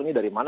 ini dari mana